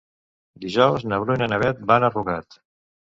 Dijous na Bruna i na Beth van a Rugat.